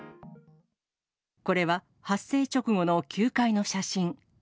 これは発生直後の９階の写真。